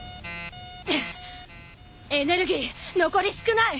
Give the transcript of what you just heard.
エネルギー残り少ない！